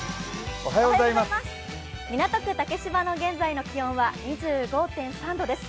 港区竹芝の現在の気温は２５．３度です。